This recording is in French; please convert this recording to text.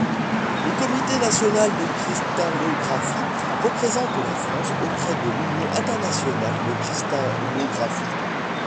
Le Comité National de Cristallographie représente la France auprès de l’Union internationale de cristallographie.